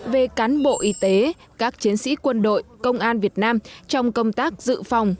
về cán bộ y tế các chiến sĩ quân đội công an việt nam trong công tác dự phòng